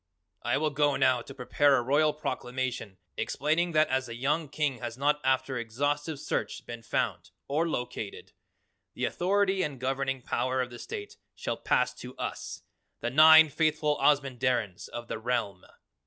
"I will go now to prepare a Royal Proclamation explaining that as the young King has not after exhaustive search been found or located, the authority and governing power of the state shall pass to us, the Nine Faithful Ozamandarins of the Realm!